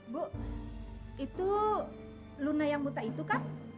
bu itu luna yang buta itu kan